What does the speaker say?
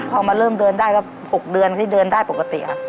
พอมาเริ่มเดินได้ก็๖เดือนที่เดินได้ปกติ